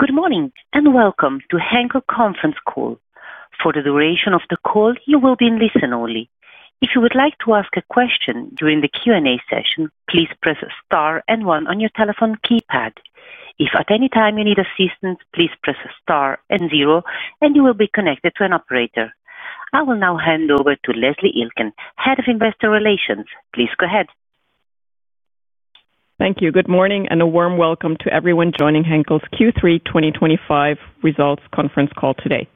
Good morning and welcome to Henkel Conference Call. For the duration of the call, you will be in listen only. If you would like to ask a question during the Q&A session, please press the star and one on your telephone keypad. If at any time you need assistance, please press the star and zero, and you will be connected to an operator. I will now hand over to Leslie Iltgen, Head of Investor Relations. Please go ahead. Thank you. Good morning and a warm welcome to everyone joining Henkel's Q3 2025 results conference call today.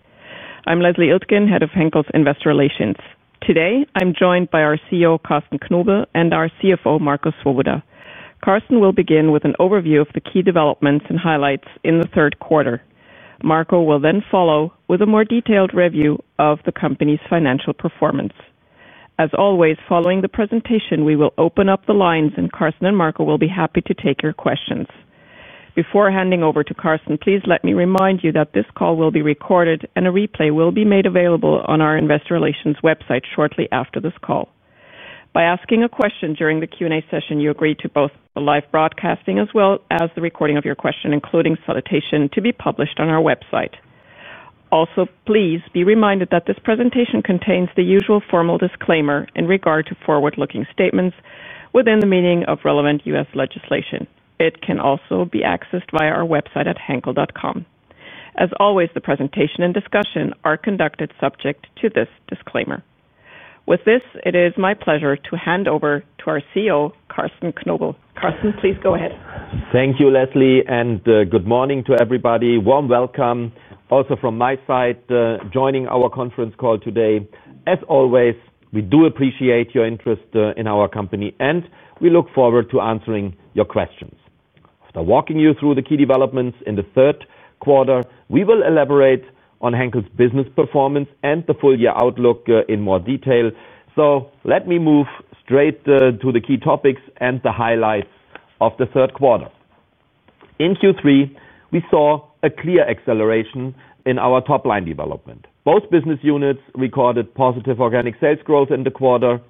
I'm Leslie Iltgen, Head of Henkel's Investor Relations. Today, I'm joined by our CEO, Carsten Knobel, and our CFO, Marco Swoboda. Carsten will begin with an overview of the key developments and highlights in the third quarter. Marco will then follow with a more detailed review of the company's financial performance. As always, following the presentation, we will open up the lines, and Carsten and Marco will be happy to take your questions. Before handing over to Carsten, please let me remind you that this call will be recorded and a replay will be made available on our Investor Relations website shortly after this call. By asking a question during the Q&A session, you agree to both the live broadcasting as well as the recording of your question, including salutation, to be published on our website. Also, please be reminded that this presentation contains the usual formal disclaimer in regard to forward-looking statements within the meaning of relevant U.S. legislation. It can also be accessed via our website at henkel.com. As always, the presentation and discussion are conducted subject to this disclaimer. With this, it is my pleasure to hand over to our CEO, Carsten Knobel. Carsten, please go ahead. Thank you, Leslie, and good morning to everybody. Warm welcome also from my side joining our conference call today. As always, we do appreciate your interest in our company, and we look forward to answering your questions. After walking you through the key developments in the third quarter, we will elaborate on Henkel's business performance and the full-year outlook in more detail. Let me move straight to the key topics and the highlights of the third quarter. In Q3, we saw a clear acceleration in our top-line development. Both business units recorded positive organic sales growth in the quarter.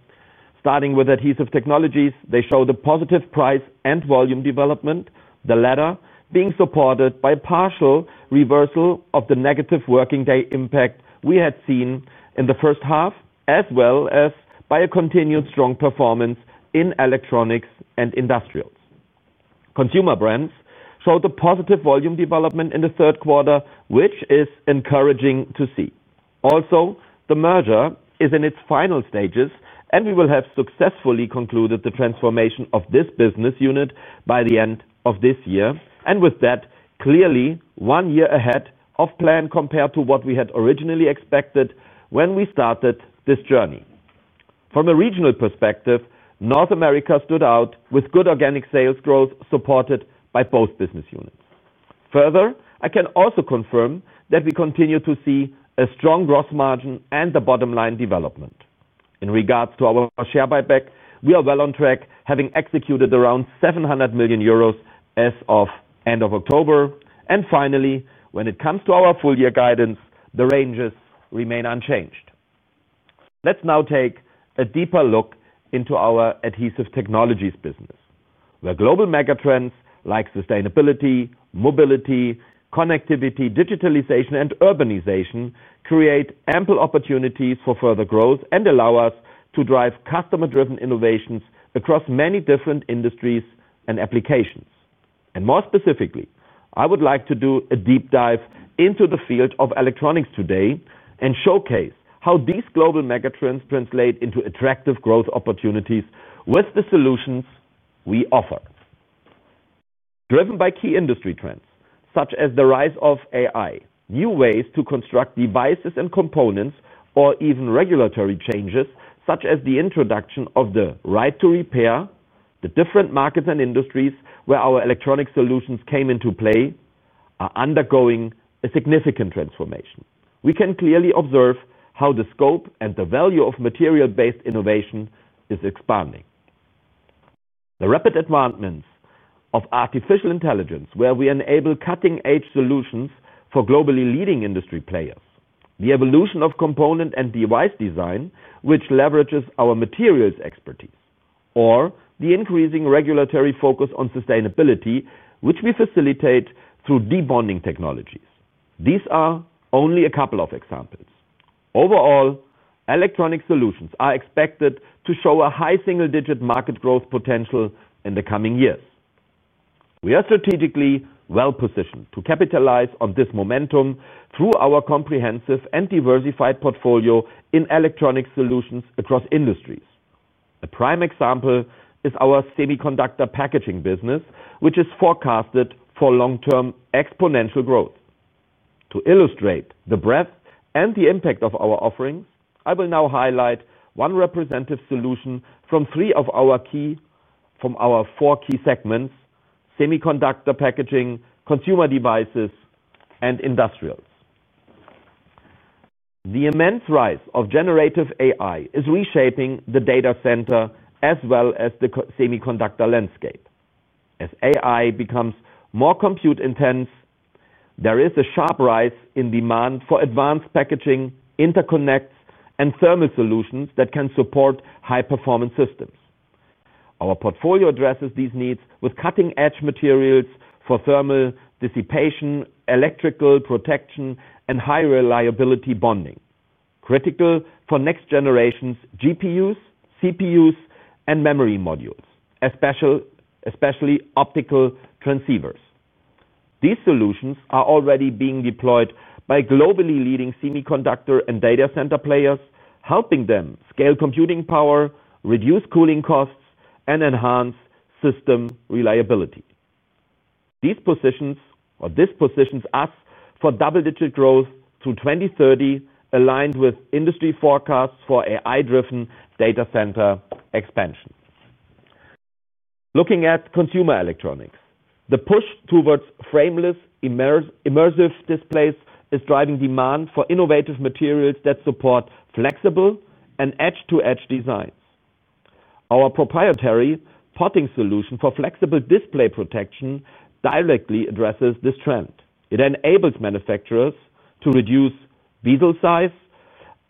Starting with Adhesive Technologies, they showed a positive price and volume development, the latter being supported by a partial reversal of the negative working day impact we had seen in the first half, as well as by a continued strong performance in electronics and industrials. Consumer Brands showed a positive volume development in the third quarter, which is encouraging to see. Also, the merger is in its final stages, and we will have successfully concluded the transformation of this business unit by the end of this year. With that, clearly one year ahead of plan compared to what we had originally expected when we started this journey. From a regional perspective, North America stood out with good organic sales growth supported by both business units. Further, I can also confirm that we continue to see a strong gross margin and the bottom-line development. In regards to our share buyback, we are well on track, having executed around 700 million euros as of the end of October. Finally, when it comes to our full-year guidance, the ranges remain unchanged. Let's now take a deeper look into our Adhesive Technologies business, where global megatrends like sustainability, mobility, connectivity, digitalization, and urbanization create ample opportunities for further growth and allow us to drive customer-driven innovations across many different industries and applications. More specifically, I would like to do a deep dive into the field of electronics today and showcase how these global megatrends translate into attractive growth opportunities with the solutions we offer. Driven by key industry trends such as the rise of AI, new ways to construct devices and components, or even regulatory changes such as the introduction of the right to repair, the different markets and industries where our electronic solutions come into play are undergoing a significant transformation. We can clearly observe how the scope and the value of material-based innovation is expanding. The rapid advancements of artificial intelligence, where we enable cutting-edge solutions for globally leading industry players, the evolution of component and device design, which leverages our materials expertise, or the increasing regulatory focus on sustainability, which we facilitate through debonding technologies. These are only a couple of examples. Overall, electronic solutions are expected to show a high single-digit market growth potential in the coming years. We are strategically well-positioned to capitalize on this momentum through our comprehensive and diversified portfolio in electronic solutions across industries. A prime example is our semiconductor packaging business, which is forecasted for long-term exponential growth. To illustrate the breadth and the impact of our offerings, I will now highlight one representative solution from three of our four key segments: semiconductor packaging, consumer devices, and industrials. The immense rise of generative AI is reshaping the data center as well as the semiconductor landscape. As AI becomes more compute-intense, there is a sharp rise in demand for advanced packaging, interconnects, and thermal solutions that can support high-performance systems. Our portfolio addresses these needs with cutting-edge materials for thermal dissipation, electrical protection, and high-reliability bonding, critical for next-generation GPUs, CPUs, and memory modules, especially optical transceivers. These solutions are already being deployed by globally leading semiconductor and data center players, helping them scale computing power, reduce cooling costs, and enhance system reliability. This positions us for double-digit growth through 2030, aligned with industry forecasts for AI-driven data center expansion. Looking at consumer electronics, the push towards frameless immersive displays is driving demand for innovative materials that support flexible and edge-to-edge designs. Our proprietary potting solution for flexible display protection directly addresses this trend. It enables manufacturers to reduce bezel size,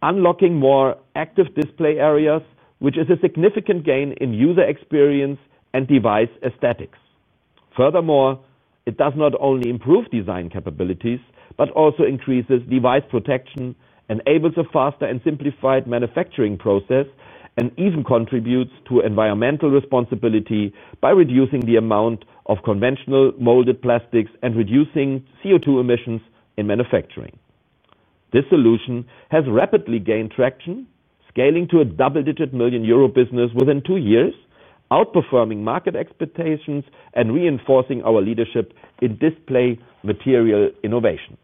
unlocking more active display areas, which is a significant gain in user experience and device aesthetics. Furthermore, it does not only improve design capabilities but also increases device protection, enables a faster and simplified manufacturing process, and even contributes to environmental responsibility by reducing the amount of conventional molded plastics and reducing CO2 emissions in manufacturing. This solution has rapidly gained traction, scaling to a double-digit million euro business within two years, outperforming market expectations and reinforcing our leadership in display material innovation.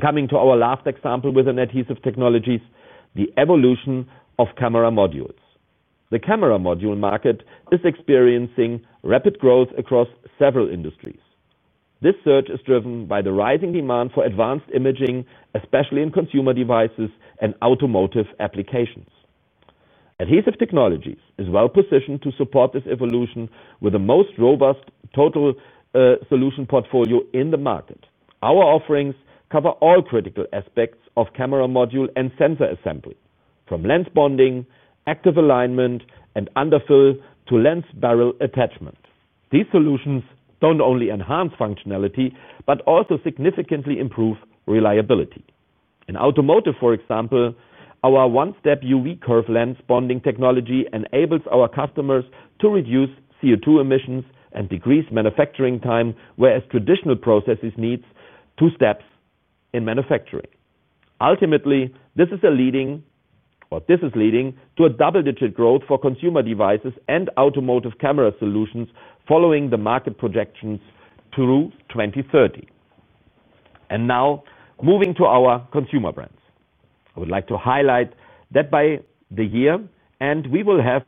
Coming to our last example within Adhesive Technologies, the evolution of camera modules. The camera module market is experiencing rapid growth across several industries. This surge is driven by the rising demand for advanced imaging, especially in consumer devices and automotive applications. Adhesive Technologies is well-positioned to support this evolution with the most robust total solution portfolio in the market. Our offerings cover all critical aspects of camera module and sensor assembly, from lens bonding, active alignment, and underfill to lens barrel attachment. These solutions do not only enhance functionality but also significantly improve reliability. In automotive, for example, our one-step UV curve lens bonding technology enables our customers to reduce CO2 emissions and decrease manufacturing time, whereas traditional processes need two steps in manufacturing. Ultimately, this is leading to double-digit growth for consumer devices and automotive camera solutions following the market projections through 2030. Now, moving to our Consumer Brands, I would like to highlight that by the year we will have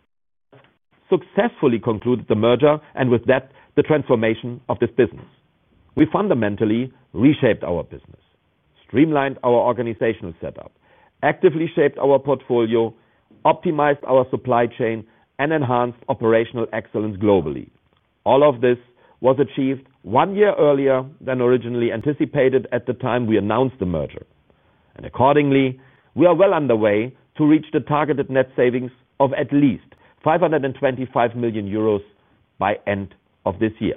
successfully concluded the merger and with that, the transformation of this business. We fundamentally reshaped our business, streamlined our organizational setup, actively shaped our portfolio, optimized our supply chain, and enhanced operational excellence globally. All of this was achieved one year earlier than originally anticipated at the time we announced the merger. Accordingly, we are well on the way to reach the targeted net savings of at least 525 million euros by end of this year.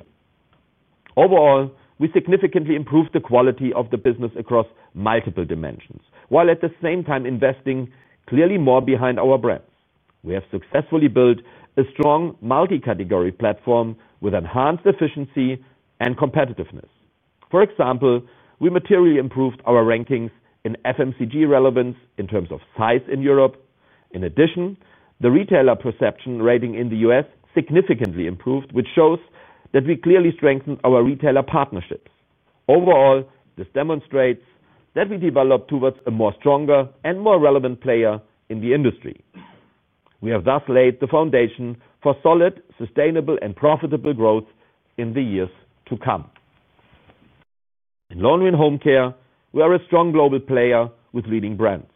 Overall, we significantly improved the quality of the business across multiple dimensions while at the same time investing clearly more behind our brands. We have successfully built a strong multi-category platform with enhanced efficiency and competitiveness. For example, we materially improved our rankings in FMCG relevance in terms of size in Europe. In addition, the retailer perception rating in the U.S. significantly improved, which shows that we clearly strengthened our retailer partnerships. Overall, this demonstrates that we developed towards a stronger and more relevant player in the industry. We have thus laid the foundation for solid, sustainable, and profitable growth in the years to come. In Laundry & Home Care, we are a strong global player with leading brands.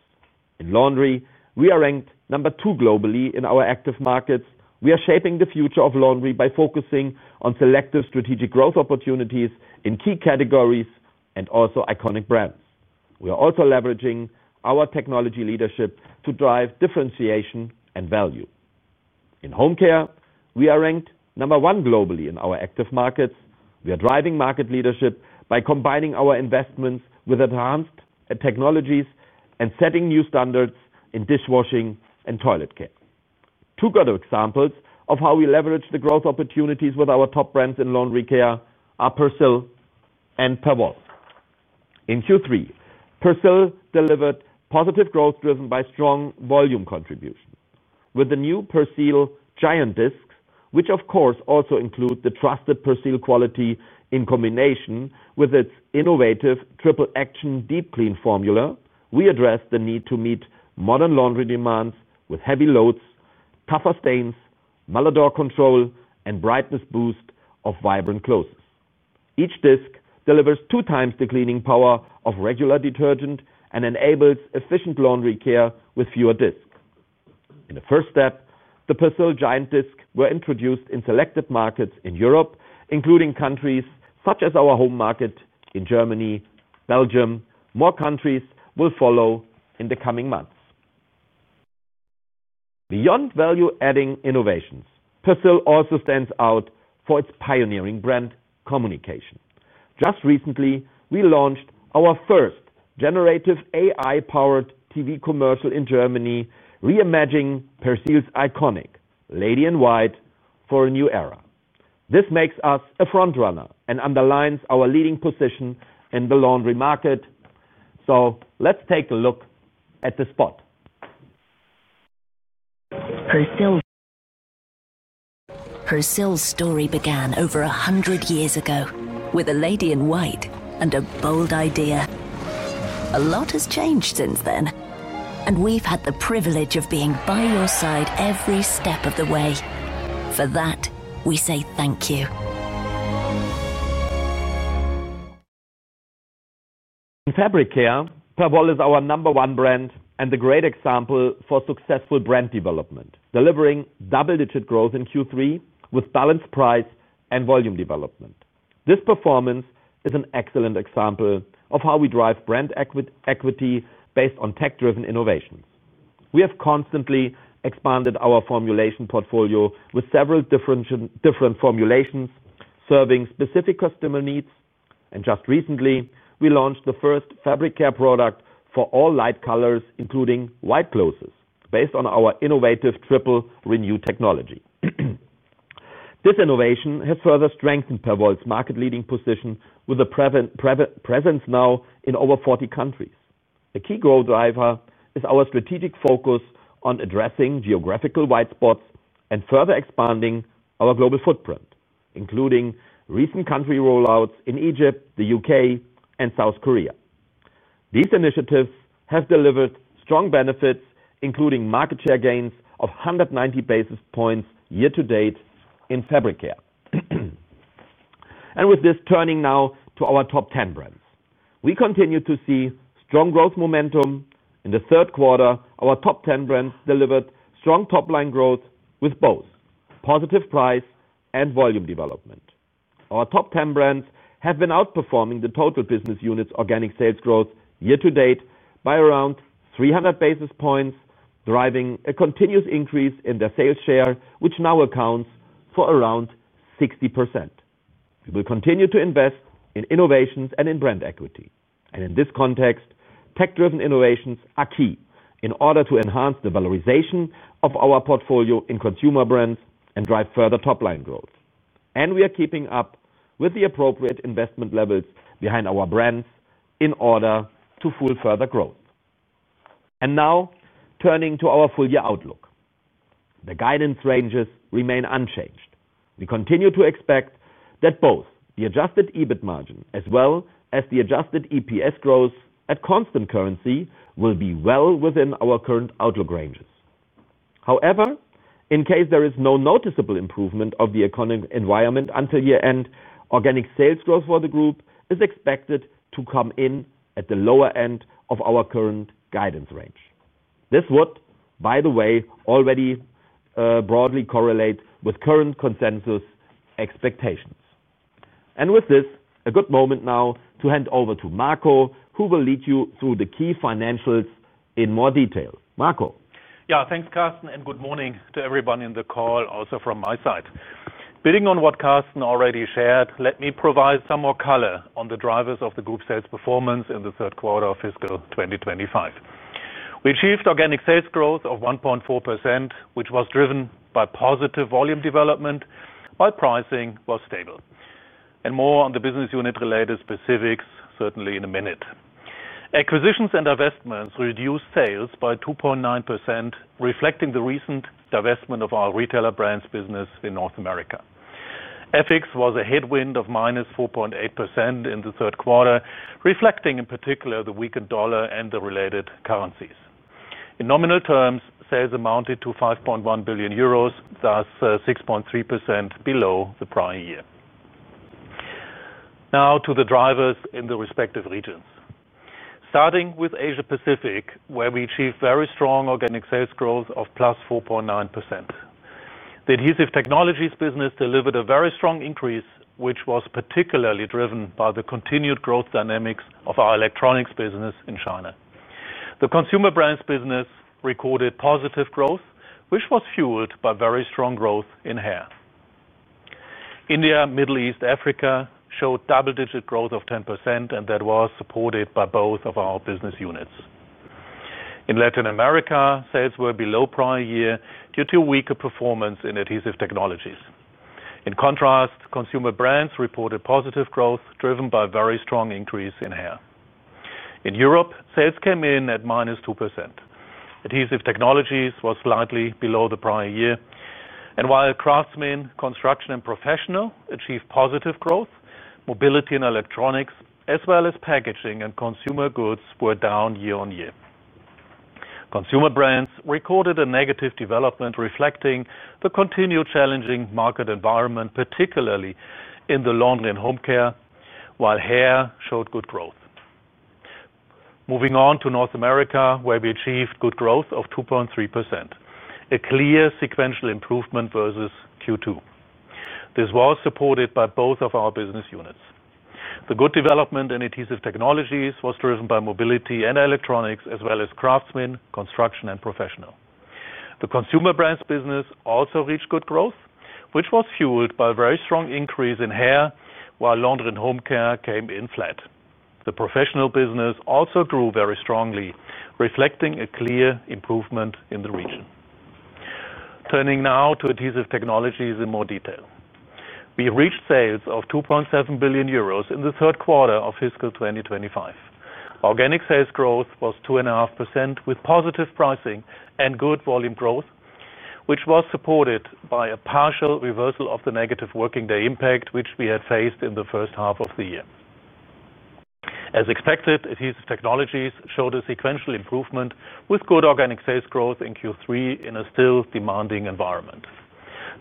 In laundry, we are ranked number two globally in our active markets. We are shaping the future of laundry by focusing on selective strategic growth opportunities in key categories and also iconic brands. We are also leveraging our technology leadership to drive differentiation and value. In Home Care, we are ranked number one globally in our active markets. We are driving market leadership by combining our investments with advanced technologies and setting new standards in dishwashing and toilet care. Two good examples of how we leverage the growth opportunities with our top brands in laundry care are Persil and Perwoll. In Q3, Persil delivered positive growth driven by strong volume contribution. With the new Persil Giant Discs, which of course also include the trusted Persil quality in combination with its innovative triple-action deep clean formula, we address the need to meet modern laundry demands with heavy loads, tougher stains, malodor control, and brightness boost of vibrant clothes. Each disc delivers two times the cleaning power of regular detergent and enables efficient laundry care with fewer discs. In the first step, the Persil Giant Discs were introduced in selected markets in Europe, including countries such as our home market in Germany and Belgium. More countries will follow in the coming months. Beyond value-adding innovations, Persil also stands out for its pioneering brand communication. Just recently, we launched our first generative AI-powered TV commercial in Germany, reimagining Persil's iconic Lady and Wide for a new era. This makes us a frontrunner and underlines our leading position in the laundry market. Let's take a look at the spot. Persil. Persil's story began over a hundred years ago with a lady in white and a bold idea. A lot has changed since then, and we've had the privilege of being by your si de every step of the way. For that, we say thank you. In fabric care, Perwoll is our number one brand and a great example for successful brand development, delivering double-digit growth in Q3 with balanced price and volume development. This performance is an excellent example of how we drive brand equity based on tech-driven innovations. We have constantly expanded our formulation portfolio with several different formulations serving specific customer needs. Just recently, we launched the first fabric care product for all light colors, including white clothes, based on our innovative triple-renew technology. This innovation has further strengthened Perwoll's market-leading position with a presence now in over 40 countries. A key growth driver is our strategic focus on addressing geographical white spots and further expanding our global footprint, including recent country rollouts in Egypt, the U.K., and South Korea. These initiatives have delivered strong benefits, including market share gains of 190 basis points year-to-date in fabric care. Turning now to our top 10 brands, we continue to see strong growth momentum. In the third quarter, our top 10 brands delivered strong top-line growth with both positive price and volume development. Our top 10 brands have been outperforming the total business unit's organic sales growth year-to-date by around 300 basis points, driving a continuous increase in their sales share, which now accounts for around 60%. We will continue to invest in innovations and in brand equity. In this context, tech-driven innovations are key in order to enhance the valorization of our portfolio in Consumer Brands and drive further top-line growth. We are keeping up with the appropriate investment levels behind our brands in order to fuel further growth. Now, turning to our full-year outlook, the guidance ranges remain unchanged. We continue to expect that both the adjusted EBIT margin as well as the adjusted EPS growth at constant currency will be well within our current outlook ranges. However, in case there is no noticeable improvement of the economic environment until year-end, organic sales growth for the group is expected to come in at the lower end of our current guidance range. This would, by the way, already broadly correlate with current consensus expectations. With this, a good moment now to hand over to Marco, who will lead you through the key financials in more detail. Marco. Yeah, thanks, Carsten, and good morning to everyone in the call, also from my side. Building on what Carsten already shared, let me provide some more color on the drivers of the group's sales performance in the third quarter of fiscal 2025. We achieved organic sales growth of 1.4%, which was driven by positive volume development, while pricing was stable. More on the business unit-related specifics, certainly in a minute. Acquisitions and divestments reduced sales by 2.9%, reflecting the recent divestment of our retailer brands' business in North America. FX was a headwind of minus 4.8% in the third quarter, reflecting in particular the weaker dollar and the related currencies. In nominal terms, sales amounted to 5.1 billion euros, thus 6.3% below the prior year. Now to the drivers in the respective regions. Starting with Asia-Pacific, where we achieved very strong organic sales growth of +4.9%. The adhesive technologies business delivered a very strong increase, which was particularly driven by the continued growth dynamics of our electronics business in China. The Consumer Brands business recorded positive growth, which was fueled by very strong growth in HAIR. India, Middle East, and Africa showed double-digit growth of 10%, and that was supported by both of our business units. In Latin America, sales were below prior year due to weaker performance in adhesive technologies. In contrast, Consumer Brands reported positive growth driven by a very strong increase in HAIR. In Europe, sales came in at -2%. Adhesive technologies were slightly below the prior year. While craftsmen, construction, and professionals achieved positive growth, mobility and electronics, as well as packaging and consumer goods, were down year-on-year. Consumer Brands recorded a negative development, reflecting the continued challenging market environment, particularly in the Laundry & Home Care, while HAIR showed good growth. Moving on to North America, where we achieved good growth of 2.3%, a clear sequential improvement versus Q2. This was supported by both of our business units. The good development in Adhesive Technologies was driven by mobility and electronics, as well as craftsmen, construction, and professionals. The Consumer Brands business also reached good growth, which was fueled by a very strong increase in HAIR, while Laundry & Home Care came in flat. The professional business also grew very strongly, reflecting a clear improvement in the region. Turning now to Adhesive Technologies in more detail. We reached sales of 2.7 billion euros in the third quarter of fiscal 2025. Organic sales growth was 2.5%, with positive pricing and good volume growth, which was supported by a partial reversal of the negative working day impact which we had faced in the first half of the year. As expected, Adhesive Technologies showed a sequential improvement, with good organic sales growth in Q3 in a still demanding environment.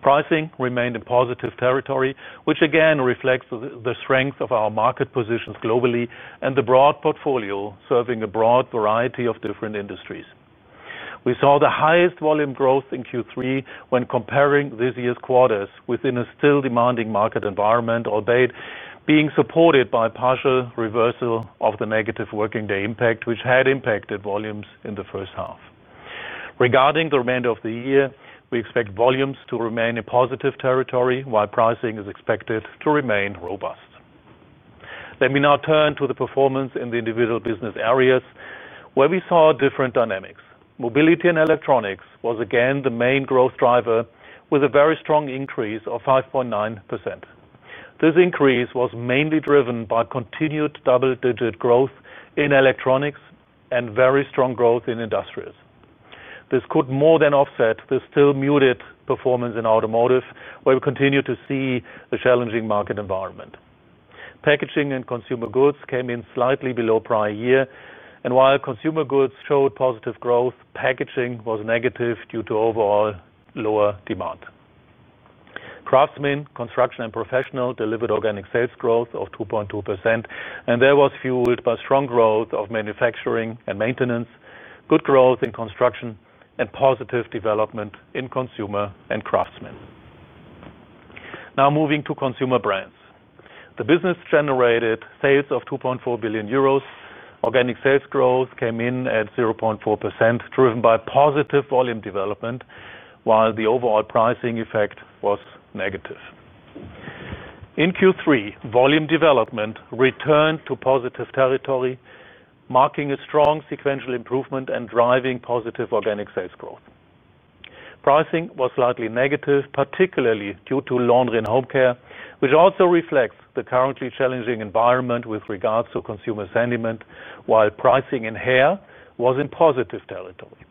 Pricing remained in positive territory, which again reflects the strength of our market position globally and the broad portfolio serving a broad variety of different industries. We saw the highest volume growth in Q3 when comparing this year's quarters within a still demanding market environment, albeit being supported by a partial reversal of the negative working day impact which had impacted volumes in the first half. Regarding the remainder of the year, we expect volumes to remain in positive territory while pricing is expected to remain robust. Let me now turn to the performance in the individual business areas, where we saw different dynamics. Mobility and electronics was again the main growth driver, with a very strong increase of 5.9%. This increase was mainly driven by continued double-digit growth in electronics and very strong growth in industrials. This could more than offset the still muted performance in automotive, where we continue to see a challenging market environment. Packaging and consumer goods came in slightly below prior year. While consumer goods showed positive growth, packaging was negative due to overall lower demand. Craftsmen, construction, and professionals delivered organic sales growth of 2.2%, and that was fueled by strong growth of manufacturing and maintenance, good growth in construction, and positive development in consumer and craftsmen. Now moving to Consumer Brands. The business generated sales of 2.4 billion euros. Organic sales growth came in at 0.4%, driven by positive volume development, while the overall pricing effect was negative. In Q3, volume development returned to positive territory, marking a strong sequential improvement and driving positive organic sales growth. Pricing was slightly negative, particularly due to Laundry & Home Care, which also reflects the currently challenging environment with regards to consumer sentiment, while pricing in HAIR was in positive territory.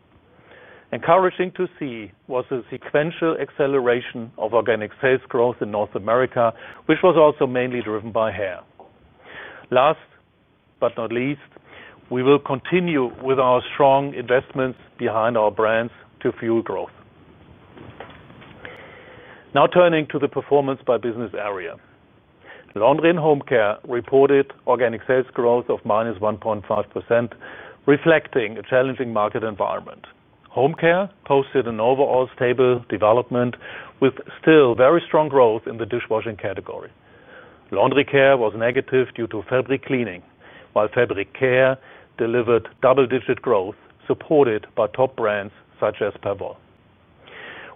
Encouraging to see was the sequential acceleration of organic sales growth in North America, which was also mainly driven by HAIR. Last but not least, we will continue with our strong investments behind our brands to fuel growth. Now turning to the performance by business area. Laundry & Home Care reported organic sales growth of -1.5%, reflecting a challenging market environment. Home Care posted an overall stable development with still very strong growth in the dishwashing category. Laundry care was negative due to fabric cleaning, while fabric care delivered double-digit growth supported by top brands such as Perwoll.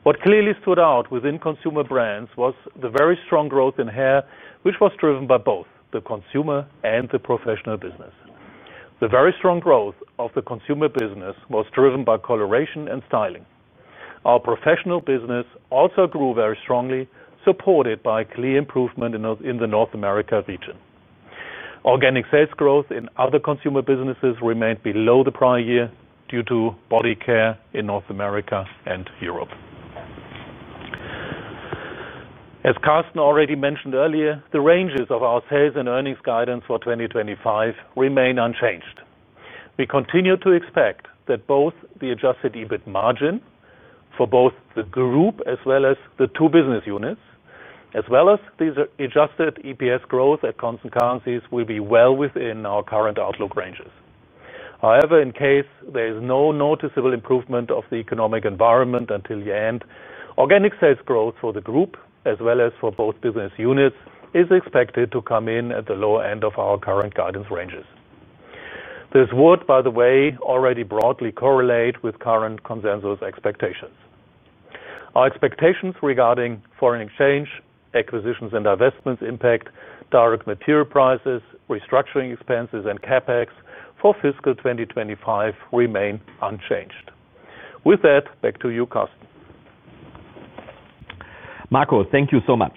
What clearly stood out within Consumer Brands was the very strong growth in HAIR, which was driven by both the consumer and the professional business. The very strong growth of the consumer business was driven by coloration and styling. Our professional business also grew very strongly, supported by clear improvement in the North America region. Organic sales growth in other consumer businesses remained below the prior year due to body care in North America and Europe. As Carsten already mentioned earlier, the ranges of our sales and earnings guidance for 2025 remain unchanged. We continue to expect that both the adjusted EBIT margin for both the group as well as the two business units, as well as the adjusted EPS growth at constant currencies, will be well within our current outlook ranges. However, in case there is no noticeable improvement of the economic environment until year-end, organic sales growth for the group as well as for both business units is expected to come in at the lower end of our current guidance ranges. This would, by the way, already broadly correlate with current consensus expectations. Our expectations regarding foreign exchange, acquisitions and divestments impact, direct material prices, restructuring expenses, and CapEx for fiscal 2025 remain unchanged. With that, back to you, Carsten. Marco, thank you so much.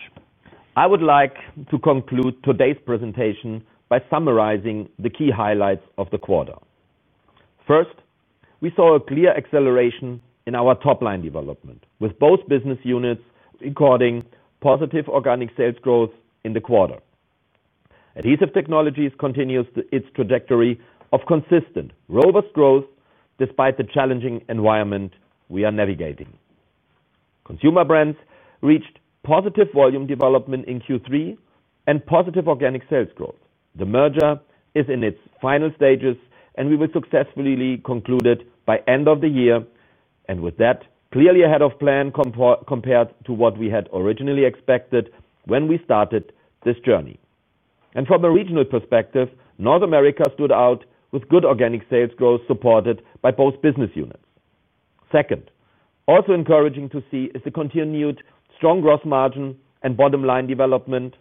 I would like to conclude today's presentation by summarizing the key highlights of the quarter. First, we saw a clear acceleration in our top-line development, with both business units recording positive organic sales growth in the quarter. Adhesive Technologies continues its trajectory of consistent robust growth despite the challenging environment we are navigating. Consumer Brands reached positive volume development in Q3 and positive organic sales growth. The merger is in its final stages, and we will successfully conclude it by the end of the year, clearly ahead of plan compared to what we had originally expected when we started this journey. From a regional perspective, North America stood out with good organic sales growth supported by both business units. Second, also encouraging to see is the continued strong gross margin and bottom-line development.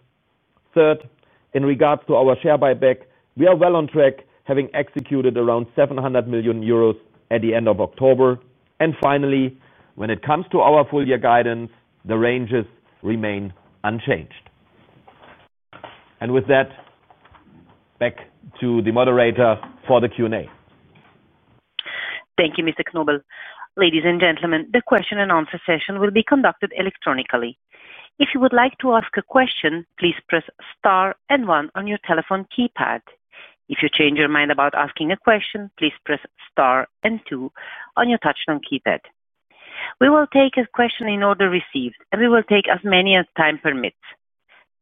Third, in regards to our share buyback, we are well on track, having executed around 700 million euros at the end of October. Finally, when it comes to our full-year guidance, the ranges remain unchanged. With that, back to the moderator for the Q&A. Thank you, Mr. Knobel. Ladies and gentlemen, the question-and-answer session will be conducted electronically. If you would like to ask a question, please press star and one on your telephone keypad. If you change your mind about asking a question, please press star and two on your touchscreen keypad. We will take a question in order received, and we will take as many as time permits.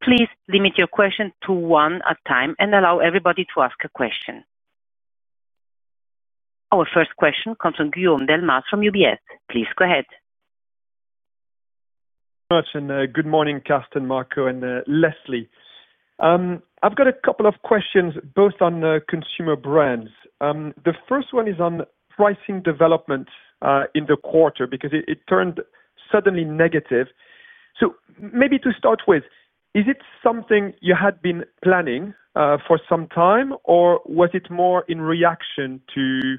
Please limit your question to one at a time and allow everybody to ask a question. Our first question comes from Guillaume Delmas from UBS. Please go ahead. Carsten, good morning, Carsten, Marco, and Leslie. I've got a couple of questions both on Consumer Brands.The first one is on pricing development in the quarter because it turned suddenly negative. Maybe to start with, is it something you had been planning for some time, or was it more in reaction to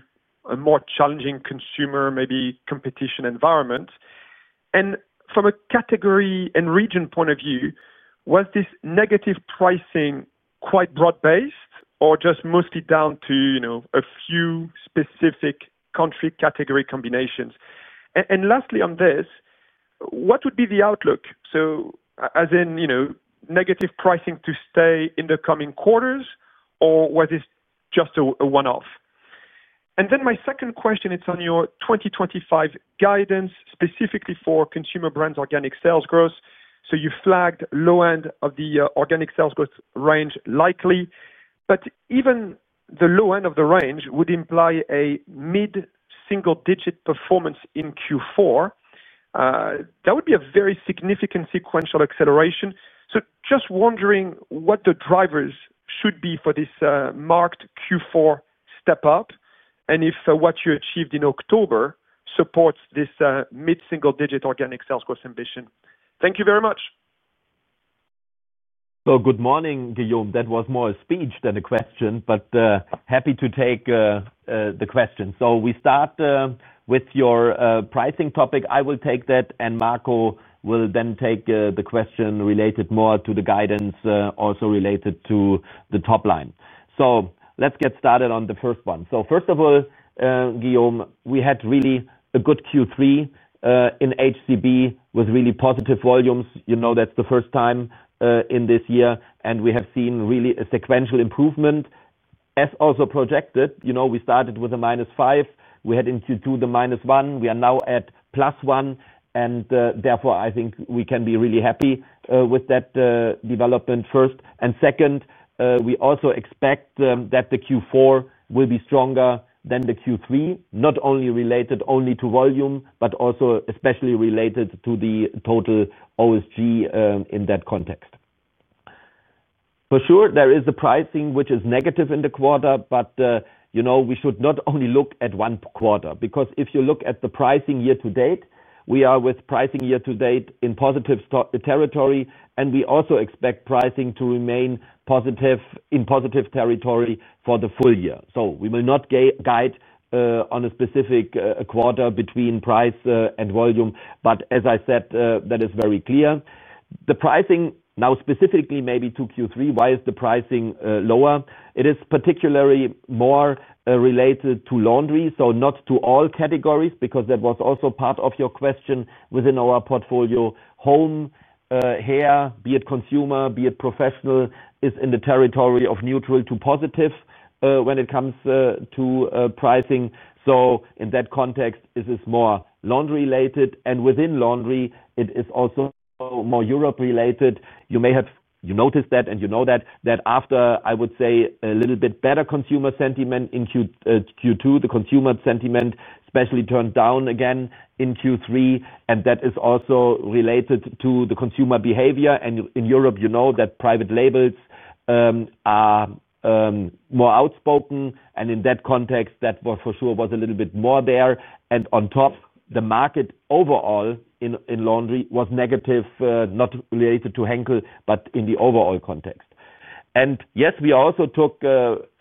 a more challenging consumer, maybe competition environment? From a category and region point of view, was this negative pricing quite broad-based or just mostly down to a few specific country category combinations? Lastly on this, what would be the outlook? As in, negative pricing to stay in the coming quarters, or was this just a one-off? My second question is on your 2025 guidance specifically for Consumer Brands' organic sales growth. You flagged low end of the organic sales growth range likely, but even the low end of the range would imply a mid-single-digit performance in Q4. That would be a very significant sequential acceleration. Just wondering what the drivers should be for this marked Q4 step-up and if what you achieved in October supports this mid-single-digit organic sales growth ambition. Thank you very much. Good morning, Guillaume. That was more a speech than a question, but happy to take the question. We start with your pricing topic. I will take that, and Marco will then take the question related more to the guidance, also related to the top line. Let's get started on the first one. First of all, Guillaume, we had really a good Q3 in HCB with really positive volumes. That's the first time in this year, and we have seen really a sequential improvement. As also projected, we started with a -5. We had in Q2 the-1. We are now at +1, and therefore, I think we can be really happy with that development first. Second, we also expect that the Q4 will be stronger than the Q3, not only related only to volume, but also especially related to the total OSG in that context. For sure, there is the pricing which is negative in the quarter, but we should not only look at one quarter because if you look at the pricing year to date, we are with pricing year to date in positive territory, and we also expect pricing to remain positive in positive territory for the full year. We will not guide on a specific quarter between price and volume, but as I said, that is very clear. The pricing now specifically maybe to Q3, why is the pricing lower? It is particularly more related to laundry, so not to all categories because that was also part of your question within our portfolio. Home, HAIR, be it consumer, be it professional, is in the territory of neutral to positive when it comes to pricing. In that context, it is more laundry-related, and within laundry, it is also more Europe-related. You may have noticed that, and you know that, after, I would say, a little bit better consumer sentiment in Q2, the consumer sentiment especially turned down again in Q3, and that is also related to the consumer behavior. In Europe, you know that private labels are more outspoken, and in that context, that for sure was a little bit more there. On top, the market overall in laundry was negative, not related to Henkel, but in the overall context. Yes, we also took.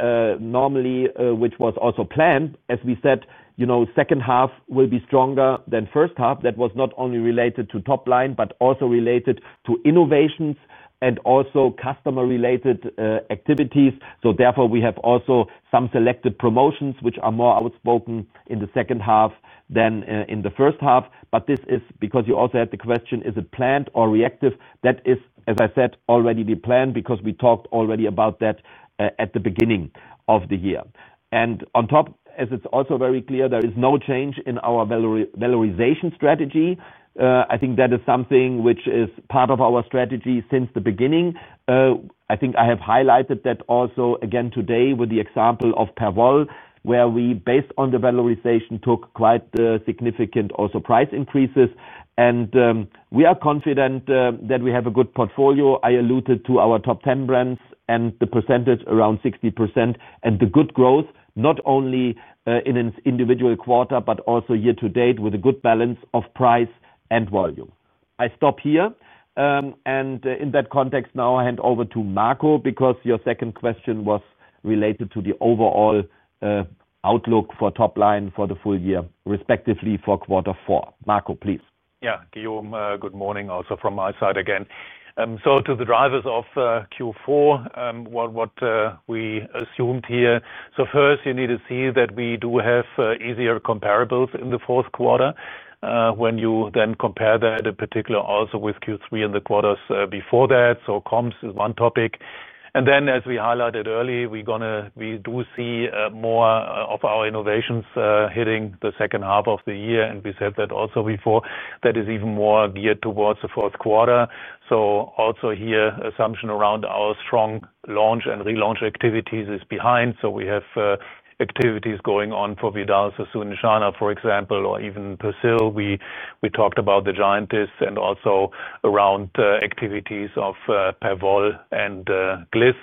Normally, which was also planned, as we said, second half will be stronger than first half. That was not only related to top line, but also related to innovations and also customer-related activities. Therefore, we have also some selected promotions which are more outspoken in the second half than in the first half. This is because you also had the question, is it planned or reactive? That is, as I said, already the plan because we talked already about that at the beginning of the year. On top, as it is also very clear, there is no change in our valorization strategy. I think that is something which is part of our strategy since the beginning. I think I have highlighted that also again today with the example of Perwoll, where we, based on the valorization, took quite significant also price increases. We are confident that we have a good portfolio. I alluded to our top 10 brands and the percentage around 60% and the good growth, not only in an individual quarter but also year to date with a good balance of price and volume. I stop here. In that context, now I hand over to Marco because your second question was related to the overall outlook for top line for the full year, respectively for quarter four. Marco, please. Yeah, Guillaume, good morning also from my side again. To the drivers of Q4, what we assumed here. First, you need to see that we do have easier comparables in the fourth quarter when you then compare that in particular also with Q3 and the quarters before that. Comms is one topic. As we highlighted earlier, we do see more of our innovations hitting the second half of the year, and we said that also before. That is even more geared towards the fourth quarter. Also here, assumption around our strong launch and relaunch activities is behind. We have activities going on for Vidal Sassoon and Schwarzkopf, for example, or even Persil. We talked about the Giant Discs and also around activities of Perwoll & Gliss.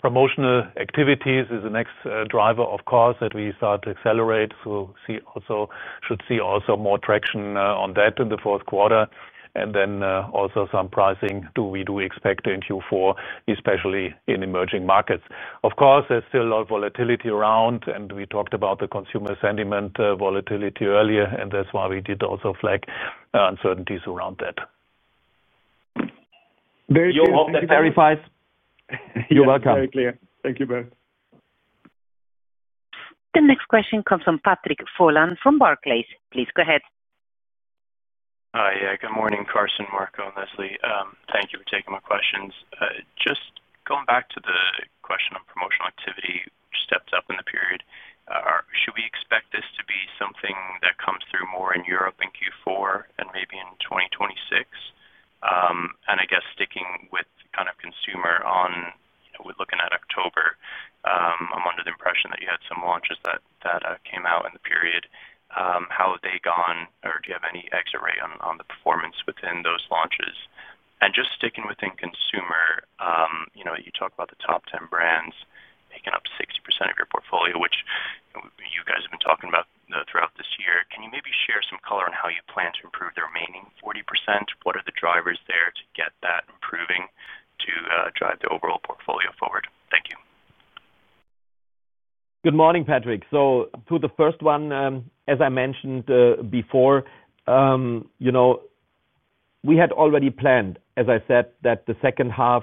Promotional activities is the next driver, of course, that we start to accelerate. We should see also more traction on that in the fourth quarter. Also some pricing we do expect in Q4, especially in emerging markets. Of course, there is still a lot of volatility around, and we talked about the consumer sentiment volatility earlier, and that is why we did also flag uncertainties around that. Very clear. You hope that clarifies. You're welcome. Very clear. Thank you both. The next question comes from Patrick Fohland from Barclays. Please go ahead. Hi. Good morning, Carsten, Marco, and Leslie. Thank you for taking my questions. Just going back to the question on promotional activity stepped up in the period. Should we expect this to be something that comes through more in Europe in Q4 and maybe in 2026? I guess sticking with kind of consumer on. We're looking at October, I'm under the impression that you had some launches that came out in the period. How have they gone, or do you have any X-ray on the performance within those launches? Just sticking within consumer. You talked about the top 10 brands picking up 60% of your portfolio, which you guys have been talking about throughout this year. Can you maybe share some color on how you plan to improve the remaining 40%? What are the drivers there to get that improving to drive the overall portfolio forward? Thank you. Good morning, Patrick. To the first one, as I mentioned before. We had already planned, as I said, that the second half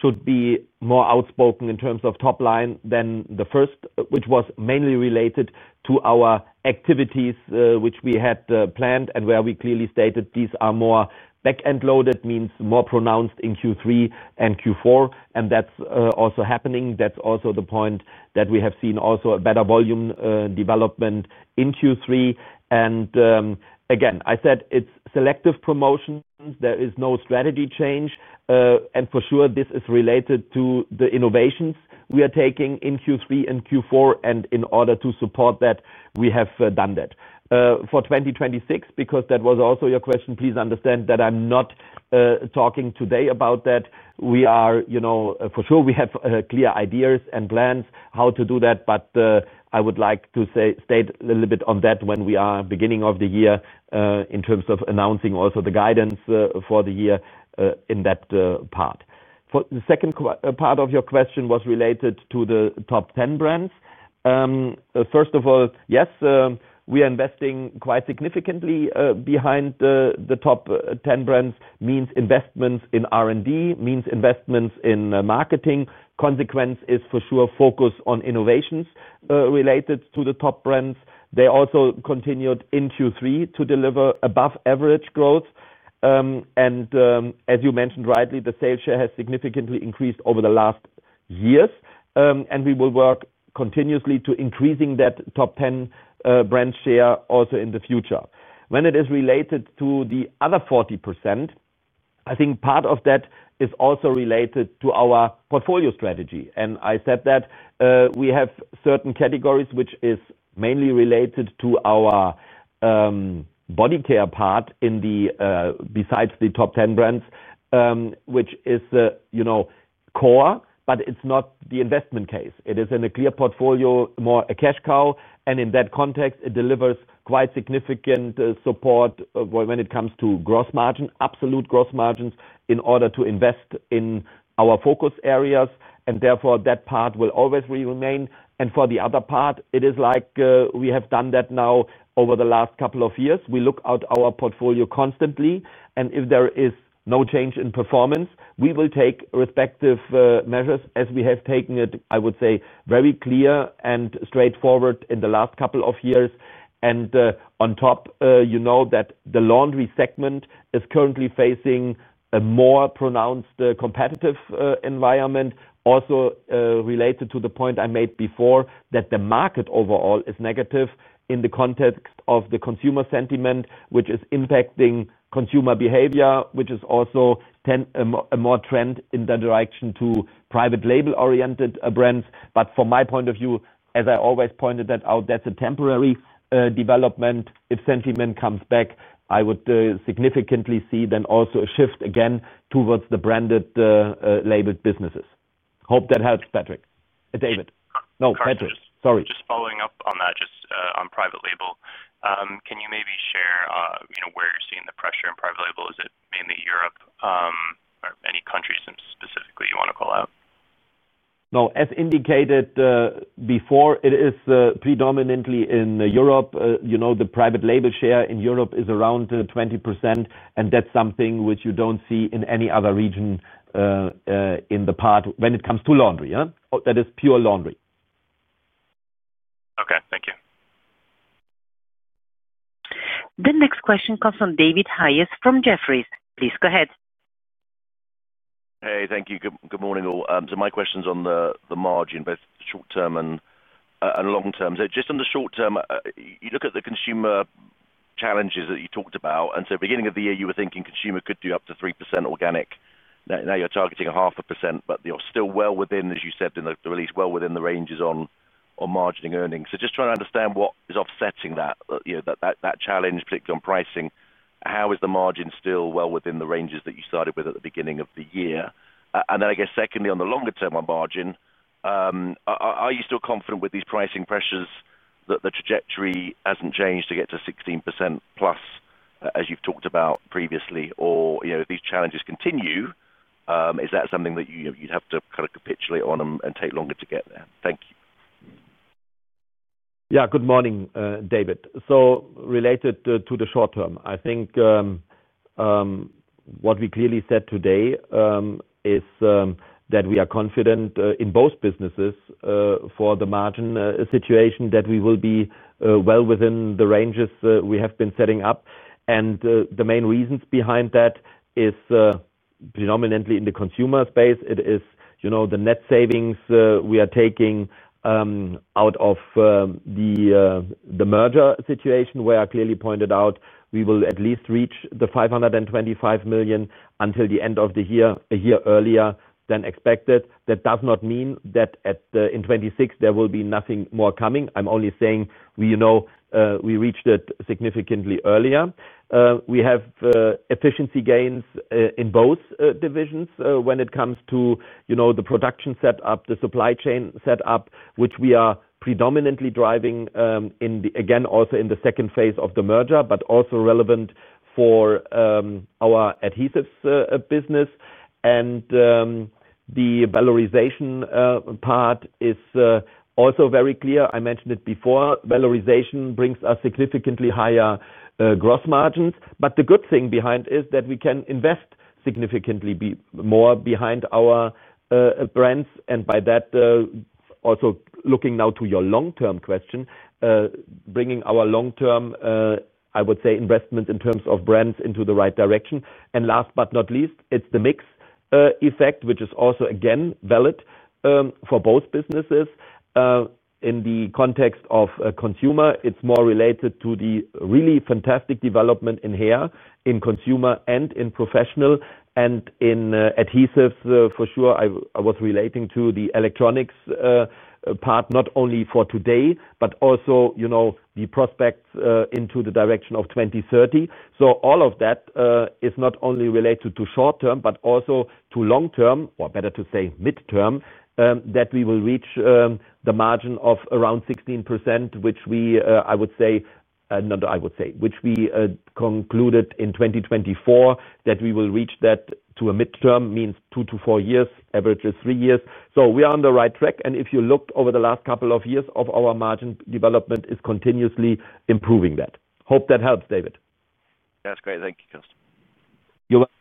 should be more outspoken in terms of top line than the first, which was mainly related to our activities which we had planned and where we clearly stated these are more back-end loaded, means more pronounced in Q3 and Q4. That is also happening. That is also the point that we have seen also better volume development in Q3. Again, I said it is selective promotions. There is no strategy change. For sure, this is related to the innovations we are taking in Q3 and Q4. In order to support that, we have done that. For 2026, because that was also your question, please understand that I'm not talking today about that. For sure, we have clear ideas and plans how to do that, but I would like to state a little bit on that when we are beginning of the year in terms of announcing also the guidance for the year in that part. The second part of your question was related to the top 10 brands. First of all, yes, we are investing quite significantly behind the top 10 brands, means investments in R&D, means investments in marketing. Consequence is for sure focus on innovations related to the top brands. They also continued in Q3 to deliver above-average growth. As you mentioned rightly, the sales share has significantly increased over the last years, and we will work continuously to increasing that top 10 brand share also in the future. When it is related to the other 40%, I think part of that is also related to our portfolio strategy. I said that we have certain categories which is mainly related to our Bodycare part. Besides the top 10 brands, which is core, but it is not the investment case. It is in a clear portfolio, more a cash cow. In that context, it delivers quite significant support when it comes to gross margin, absolute gross margins in order to invest in our focus areas. Therefore, that part will always remain. For the other part, it is like we have done that now over the last couple of years. We look at our portfolio constantly. If there is no change in performance, we will take respective measures as we have taken it, I would say, very clear and straightforward in the last couple of years. On top, you know that the laundry segment is currently facing a more pronounced competitive environment, also related to the point I made before that the market overall is negative in the context of the consumer sentiment, which is impacting consumer behavior, which is also a more trend in the direction to private label-oriented brands. From my point of view, as I always pointed that out, that is a temporary development. If sentiment comes back, I would significantly see then also a shift again towards the branded labeled businesses. Hope that helps, Patrick. David. No, Patrick. Sorry. Just following up on that, just on private label. Can you maybe share where you're seeing the pressure in private label? Is it mainly Europe. Or any countries specifically you want to call out? No, as indicated. Before, it is predominantly in Europe. The private label share in Europe is around 20%, and that's something which you do not see in any other region. In the part when it comes to laundry, that is pure laundry. Okay. Thank you. The next question comes from David Hayes from Jefferies. Please go ahead. Hey, thank you. Good morning, all. My question is on the margin, both short-term and long-term. Just on the short-term, you look at the consumer challenges that you talked about. At the beginning of the year, you were thinking consumer could do up to 3% organic. Now you are targeting a half a percent, but you are still well within, as you said in the release, well within the ranges on margin and earnings. Just trying to understand what is offsetting that. That challenge, particularly on pricing, how is the margin still well within the ranges that you started with at the beginning of the year? I guess secondly, on the longer-term margin. Are you still confident with these pricing pressures that the trajectory has not changed to get to 16%+, as you have talked about previously, or if these challenges continue, is that something that you would have to kind of capitulate on and take longer to get there? Thank you. Yeah. Good morning, David. Related to the short-term, I think what we clearly said today is that we are confident in both businesses for the margin situation, that we will be well within the ranges we have been setting up. The main reasons behind that are predominantly in the consumer space. It is the net savings we are taking. Out of the merger situation where I clearly pointed out we will at least reach the 525 million until the end of the year, a year earlier than expected. That does not mean that in 2026 there will be nothing more coming. I'm only saying we reached it significantly earlier. We have efficiency gains in both divisions when it comes to the production setup, the supply chain setup, which we are predominantly driving in, again, also in the second phase of the merger, but also relevant for our adhesives business. The valorization part is also very clear. I mentioned it before. Valorization brings us significantly higher gross margins. The good thing behind is that we can invest significantly more behind our brands. By that, also looking now to your long-term question, bringing our long-term, I would say, investment in terms of brands into the right direction. Last but not least, it's the mix effect, which is also, again, valid for both businesses. In the context of consumer, it's more related to the really fantastic development in HAIR, in consumer and in professional, and in adhesives. For sure, I was relating to the electronics part not only for today, but also the prospects into the direction of 2030. All of that is not only related to short-term, but also to long-term, or better to say mid-term, that we will reach the margin of around 16%, which we, I would say—not I would say, which we concluded in 2024, that we will reach that to a mid-term means two to four years, average is three years. We are on the right track. If you looked over the last couple of years, our margin development is continuously improving that. Hope that helps, David. That's great. Thank you, Carsten. You're welcome.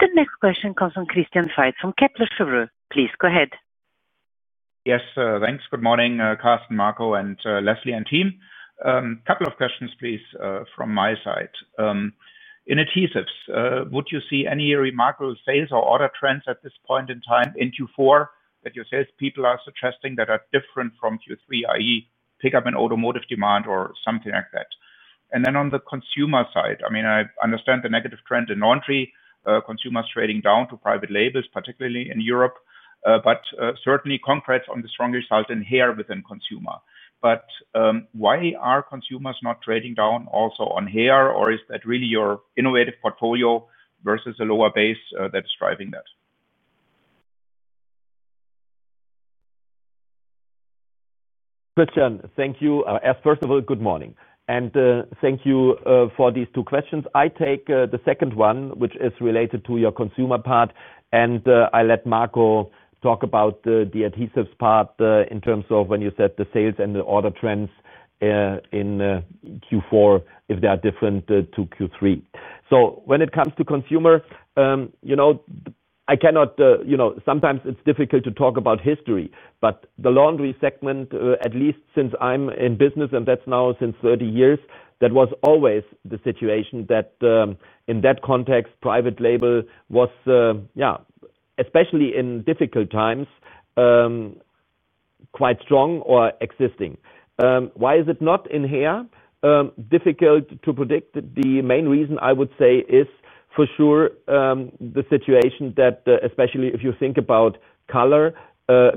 The next question comes from Christian Faitz from Kepler Cheuvreux. Please go ahead. Yes. Thanks. Good morning, Carsten, Marco, and Leslie and team. A couple of questions, please, from my side. In adhesives, would you see any remarkable sales or order trends at this point in time in Q4 that your salespeople are suggesting that are different from Q3, i.e., pickup in automotive demand or something like that? And then on the consumer side, I mean, I understand the negative trend in laundry, consumers trading down to private labels, particularly in Europe, but certainly congrats on the strong result in HAIR within consumer. Why are consumers not trading down also on HAIR, or is that really your innovative portfolio versus a lower base that's driving that? Christian, thank you. First of all, good morning. And thank you for these two questions. I take the second one, which is related to your consumer part, and I let Marco talk about the adhesives part in terms of when you said the sales and the order trends. In Q4, if they are different to Q3. When it comes to consumer, I cannot, sometimes it is difficult to talk about history, but the laundry segment, at least since I am in business, and that is now since 30 years, that was always the situation that in that context, private label was, yeah, especially in difficult times, quite strong or existing. Why is it not in HAIR? Difficult to predict. The main reason, I would say, is for sure the situation that, especially if you think about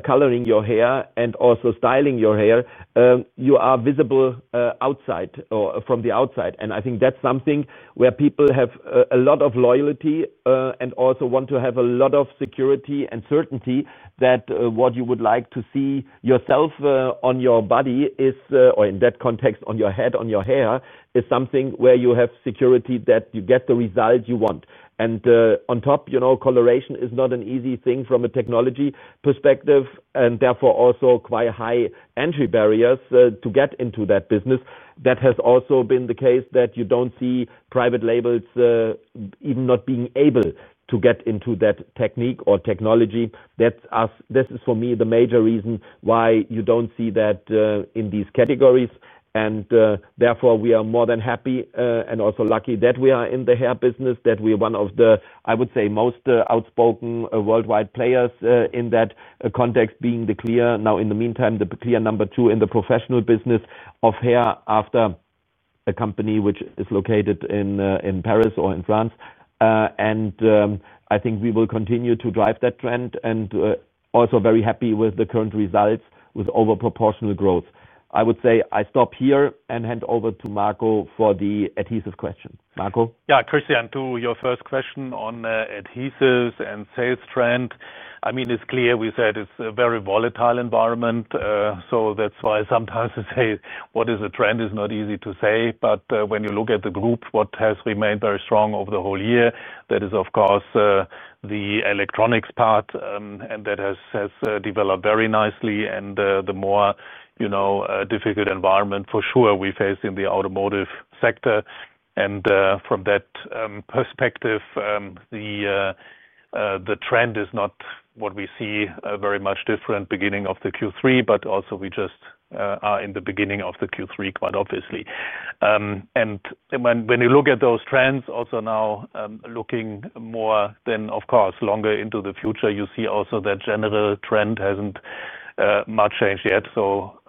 coloring your HAIR and also styling your HAIR, you are visible from the outside. I think that's something where people have a lot of loyalty and also want to have a lot of security and certainty that what you would like to see yourself on your body is, or in that context, on your head, on your hair, is something where you have security that you get the result you want. On top, coloration is not an easy thing from a technology perspective, and therefore also quite high entry barriers to get into that business. That has also been the case that you do not see private labels even not being able to get into that technique or technology. That is, for me, the major reason why you do not see that in these categories. Therefore, we are more than happy and also lucky that we are in the hair business, that we are one of the, I would say, most outspoken worldwide players in that context, being the clear, now, in the meantime, the clear number two in the professional business of hair after a company which is located in Paris or in France. I think we will continue to drive that trend and also very happy with the current results with overproportional growth. I would say I stop here and hand over to Marco for the adhesive question. Marco? Yeah. Christian, to your first question on adhesives and sales trend, I mean, it's clear we said it's a very volatile environment. That is why sometimes I say what is a trend is not easy to say. When you look at the group, what has remained very strong over the whole year is, of course, the electronics part, and that has developed very nicely. The more difficult environment, for sure, we face in the automotive sector. From that perspective, the trend is not what we see very much different at the beginning of Q3, but also we just are in the beginning of Q3, quite obviously. When you look at those trends, also now looking more, and of course, longer into the future, you see also that general trend has not much changed yet. Still,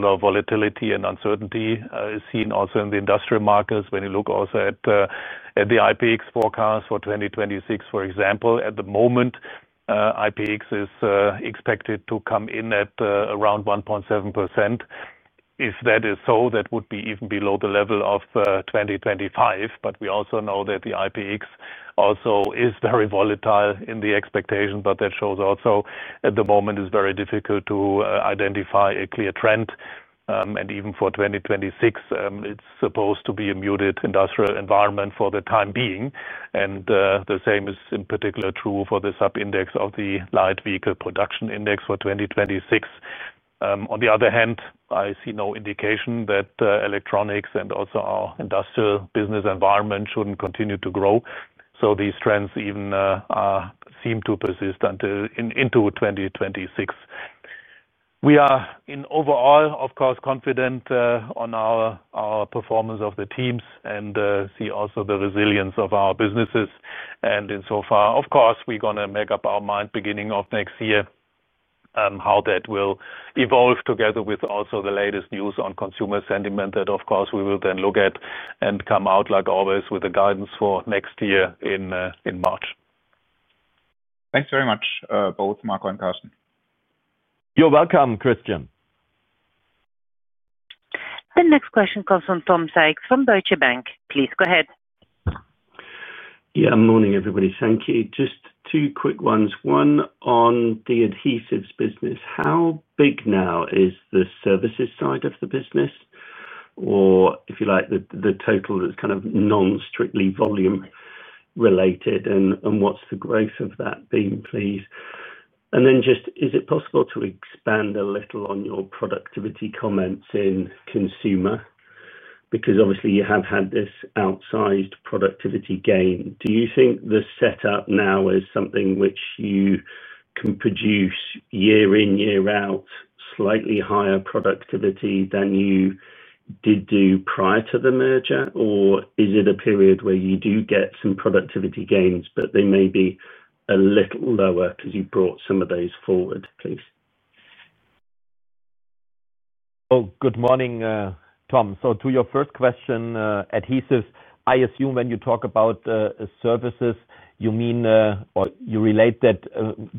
the volatility and uncertainty is seen also in the industrial markets. When you look also at the IPX forecast for 2026, for example, at the moment, IPX is expected to come in at around 1.7%. If that is so, that would be even below the level of 2025. We also know that the IPX also is very volatile in the expectation, but that shows also at the moment it is very difficult to identify a clear trend. Even for 2026, it is supposed to be a muted industrial environment for the time being. The same is in particular true for the sub-index of the light vehicle production index for 2026. On the other hand, I see no indication that electronics and also our industrial business environment should not continue to grow. These trends even seem to persist into 2026. We are overall, of course, confident on our performance of the teams and see also the resilience of our businesses. In so far, of course, we are going to make up our mind beginning of next year. How that will evolve together with also the latest news on consumer sentiment that, of course, we will then look at and come out, like always, with the guidance for next year in March. Thanks very much, both Marco and Carsten. You're welcome, Christian. The next question comes from Tom Sykes from Deutsche Bank. Please go ahead. Yeah. Morning, everybody. Thank you. Just two quick ones. One on the adhesives business. How big now is the services side of the business, or if you like, the total that's kind of non-strictly volume-related? And what's the growth of that been, please? And then just, is it possible to expand a little on your productivity comments in consumer? Because obviously, you have had this outsized productivity gain. Do you think the setup now is something which you can produce year in, year out, slightly higher productivity than you did do prior to the merger? Or is it a period where you do get some productivity gains, but they may be a little lower because you brought some of those forward? Please. Good morning, Tom. To your first question, adhesives, I assume when you talk about services, you mean or you relate that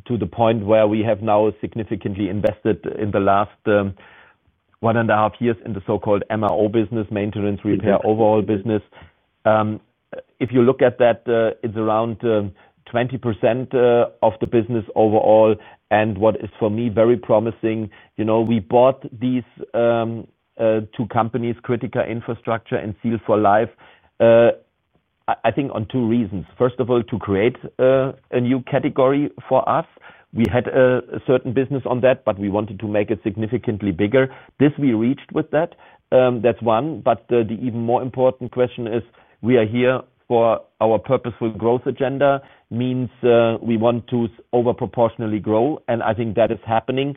to the point where we have now significantly invested in the last one and a half years in the so-called MRO business, maintenance, repair, overall business. If you look at that, it is around 20% of the business overall. What is, for me, very promising, we bought these two companies, Critica Infrastructure and Seal For Life. I think on two reasons. First of all, to create a new category for us. We had a certain business on that, but we wanted to make it significantly bigger. This we reached with that. That is one. The even more important question is we are here for our purposeful growth agenda, which means we want to overproportionately grow. I think that is happening.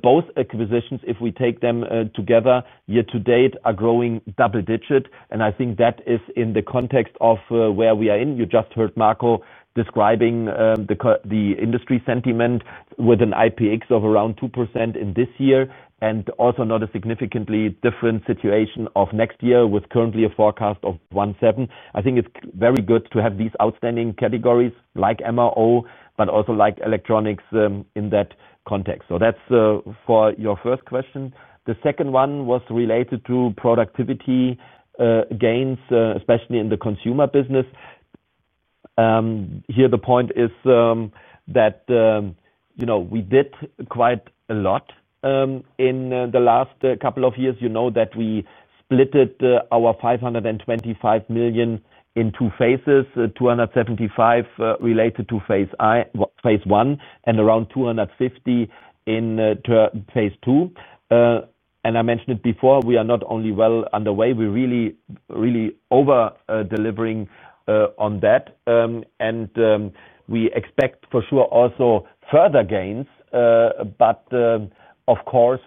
Both acquisitions, if we take them together, year to date, are growing double-digit. I think that is in the context of where we are in. You just heard Marco describing the industry sentiment with an IPX of around 2% in this year and also not a significantly different situation for next year with currently a forecast of 1.7%. I think it is very good to have these outstanding categories like MRO, but also like electronics in that context. That is for your first question. The second one was related to productivity gains, especially in the consumer business. Here, the point is. We did quite a lot. In the last couple of years, you know that we split our 525 million in two phases, 275 million related to phase 1 and around 250 million in phase 2. I mentioned it before, we are not only well underway, we are really, really over-delivering on that. We expect for sure also further gains, but of course,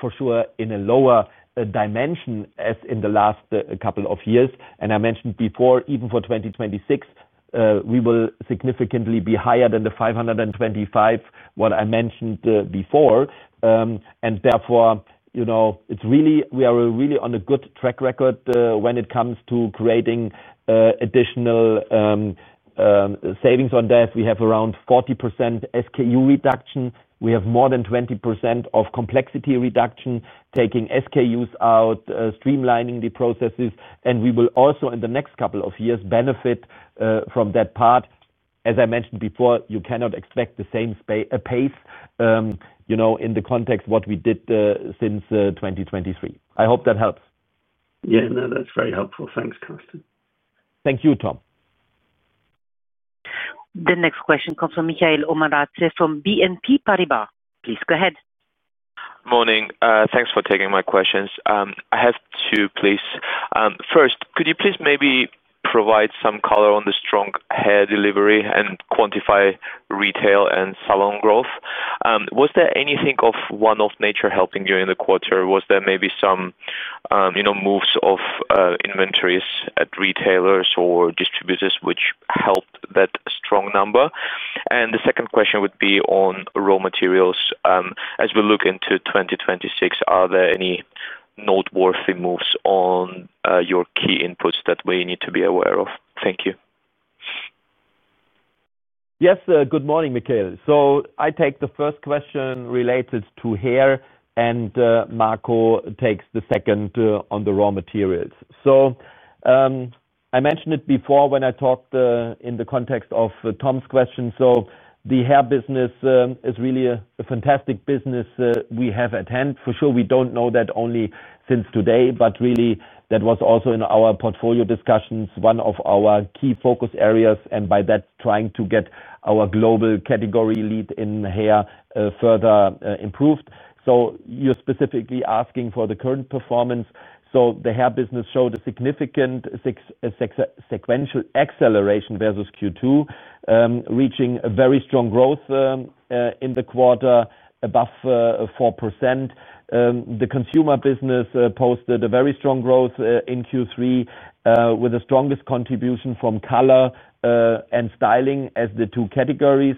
for sure in a lower dimension as in the last couple of years. I mentioned before, even for 2026, we will significantly be higher than the 525 million I mentioned before. Therefore, we are really on a good track record when it comes to creating additional savings on that. We have around 40% SKU reduction. We have more than 20% of complexity reduction, taking SKUs out, streamlining the processes. We will also, in the next couple of years, benefit from that part. As I mentioned before, you cannot expect the same pace. In the context of what we did since 2023. I hope that helps. Yeah. No, that's very helpful. Thanks, Carsten. Thank you, Tom. The next question comes from Michael Omara from BNP Paribas. Please go ahead. Morning. Thanks for taking my questions. I have two, please. First, could you please maybe provide some color on the strong hair delivery and quantify retail and salon growth? Was there anything of one-off nature helping during the quarter? Was there maybe some moves of inventories at retailers or distributors which helped that strong number? And the second question would be on raw materials. As we look into 2026, are there any noteworthy moves on your key inputs that we need to be aware of? Thank you. Yes. Good morning, Michael.I take the first question related to hair, and Marco takes the second on the raw materials. I mentioned it before when I talked in the context of Tom's question. The hair business is really a fantastic business we have at hand. For sure, we don't know that only since today, but really, that was also in our portfolio discussions, one of our key focus areas, and by that, trying to get our global category lead in hair further improved. You're specifically asking for the current performance. The hair business showed a significant sequential acceleration versus Q2, reaching a very strong growth in the quarter, above 4%. The consumer business posted a very strong growth in Q3 with the strongest contribution from color and styling as the two categories.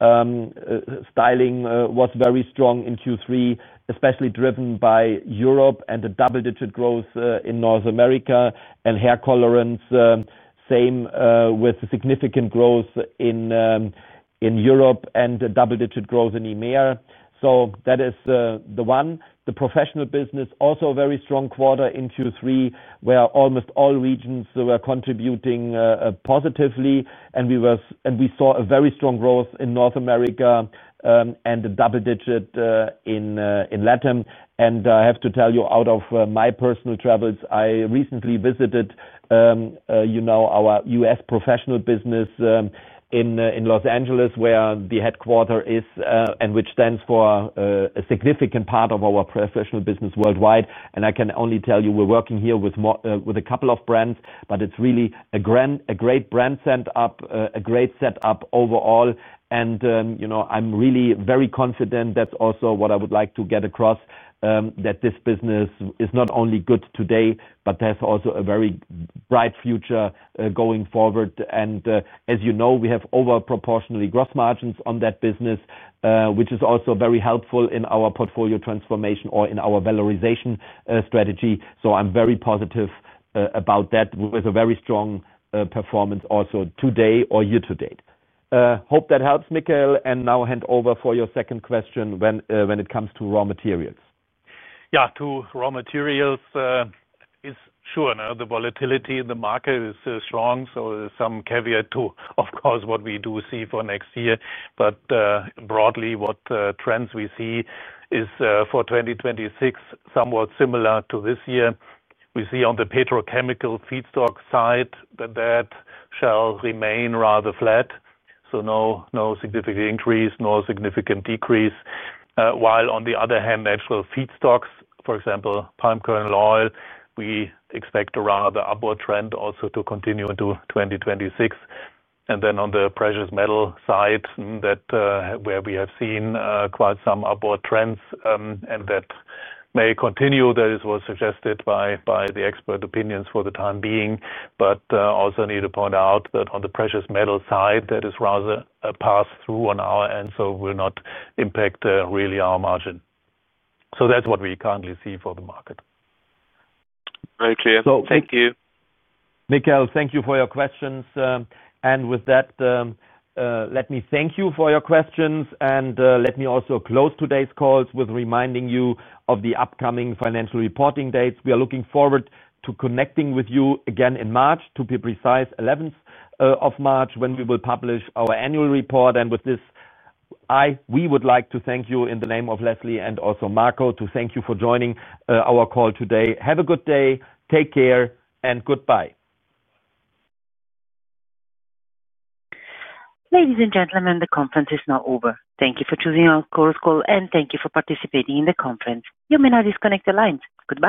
Styling was very strong in Q3, especially driven by Europe and a double-digit growth in North America and hair colorants. Same with significant growth in Europe and double-digit growth in EMEA. That is the one. The professional business, also a very strong quarter in Q3, where almost all regions were contributing positively. We saw a very strong growth in North America and a double-digit in Latin. I have to tell you, out of my personal travels, I recently visited our U.S. professional business in Los Angeles, where the headquarter is, and which stands for a significant part of our professional business worldwide. I can only tell you, we're working here with a couple of brands, but it's really a great brand setup, a great setup overall. I'm really very confident. That's also what I would like to get across, that this business is not only good today, but has also a very bright future going forward. As you know, we have overproportionally gross margins on that business, which is also very helpful in our portfolio transformation or in our valorization strategy. I am very positive about that with a very strong performance also today or year to date. Hope that helps, Michael. I now hand over for your second question when it comes to raw materials. Yeah, to raw materials. It is sure the volatility in the market is strong, so some caveat to, of course, what we do see for next year. Broadly, what trends we see is for 2026, somewhat similar to this year. We see on the petrochemical feedstock side that that shall remain rather flat, so no significant increase, no significant decrease. While, on the other hand, natural feedstocks, for example, palm kernel oil, we expect a rather upward trend also to continue into 2026. Then on the precious metal side, where we have seen quite some upward trends and that may continue, that is what is suggested by the expert opinions for the time being. I also need to point out that on the precious metal side, that is rather a pass-through on our end, so it will not impact really our margin. That is what we currently see for the market. Very clear. Thank you. Michael, thank you for your questions. With that, let me thank you for your questions. Let me also close today's calls with reminding you of the upcoming financial reporting dates. We are looking forward to connecting with you again in March, to be precise, 11th of March, when we will publish our annual report. With this, we would like to thank you in the name of Leslie and also Marco to thank you for joining our call today. Have a good day. Take care. Goodbye. Ladies and gentlemen, the conference is now over. Thank you for joining our Chorus Call, and thank you for participating in the conference. You may now disconnect the lines. Goodbye.